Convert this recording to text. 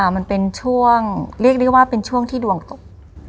มันเป็นช่วงเรียกได้ว่าเป็นช่วงที่ดวงตก